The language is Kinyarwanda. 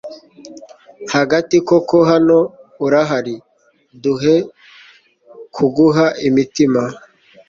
hagati, koko hano urahari, duhe kuguha imitima